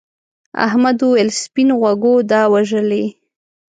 احمد وویل سپین غوږو دا وژلي.